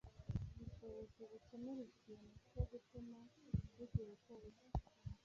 Ubushobozi bukenera ikintu cyo gutuma bugira uko busa,